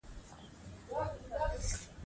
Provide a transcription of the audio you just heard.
دلته ځانګړي دوکتورین ته اړتیا نه لیدل کیږي.